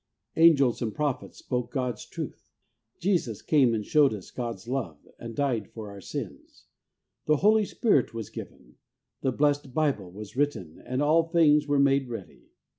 Angels and prophets spoke God's truth. Jesus came and showed us God's love, and died for our sins ; the Holy Spirit was given, the blessed Bible was written, and all things were made ready.